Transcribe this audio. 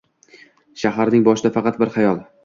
Shaharning boshida faqat bir xayol: